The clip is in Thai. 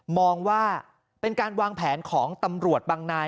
มองว่าเป็นการวางแผนของตำรวจบางนาย